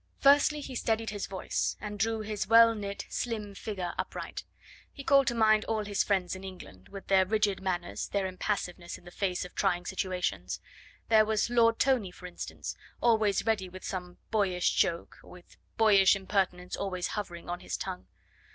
Firstly, he steadied his voice, and drew his well knit, slim figure upright. He called to mind all his friends in England, with their rigid manners, their impassiveness in the face of trying situations. There was Lord Tony, for instance, always ready with some boyish joke, with boyish impertinence always hovering on his tongue.